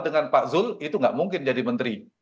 dengan pak zul itu nggak mungkin jadi menteri